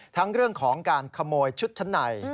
ทั้งเรื่องของการขโมยชุดชั้นใน